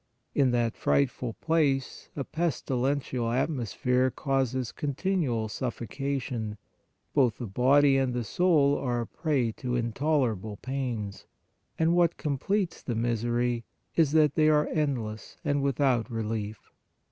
In that frightful place a pestilential atmosphere causes continual suf focation; both the body and the soul are a prey to intolerable pains, and what completes the misery, is that they are endless and without relief.